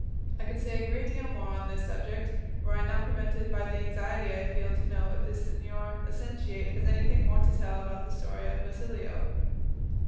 I could say a great deal more on this subject, were I not prevented by the anxiety I feel to know if the señor licentiate has anything more to tell about the story of Basilio."